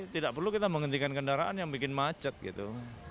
tidak perlu kita menghentikan kendaraan yang bikin macet gitu